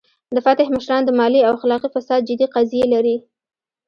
د فتح مشران د مالي او اخلاقي فساد جدي قضیې لري.